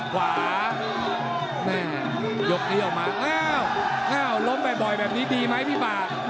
ขวายกที่ออกมาอ้าวล้มไปบ่อยแบบนี้ดีไหมพี่ปาก